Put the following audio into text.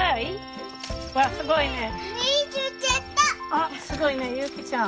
あっすごいねゆきちゃん。